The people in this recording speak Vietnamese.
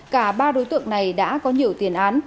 cả ba đối tượng này đã có nhiều tiền án